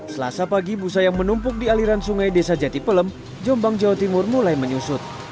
selasa pagi busa yang menumpuk di aliran sungai desa jati pelem jombang jawa timur mulai menyusut